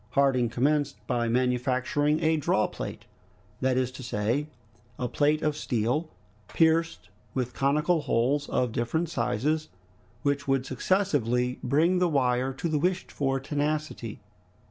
Harding commenced by manufacturing a drawplate, that is to say, a plate of steel, pierced with conical holes of different sizes, which would successively bring the wire to the wished for tenacity.